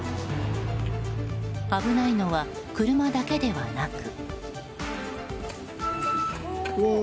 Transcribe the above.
危ないのは車だけではなく。